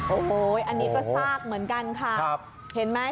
โอ้โหอันนี้ก็ซากเหมือนกันค่ะเห็นไหม